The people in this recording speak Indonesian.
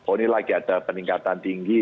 oh ini lagi ada peningkatan tinggi